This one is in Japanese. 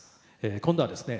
今度はですね